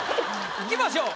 いきましょう。